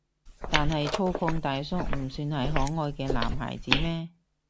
但係粗獷大叔唔算係可愛嘅男孩子咩？